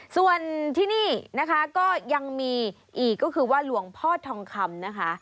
ส่วนที่นี่นะคะก็ยังมีอีกก็คือว่าหลวงพ่อทองคำนะคะ